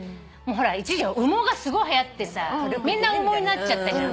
一時羽毛がすごいはやってさみんな羽毛になっちゃったじゃん。